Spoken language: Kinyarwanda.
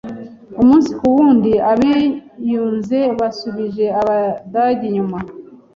Umunsi kuwundi, Abiyunze basubije Abadage inyuma.